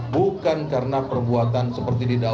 bukan karena perbuatan seperti didakwa